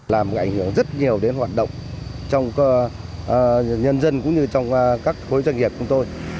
làm ảnh hưởng rất nhiều đến hoạt động trong nhân dân cũng như trong các khối doanh nghiệp của tôi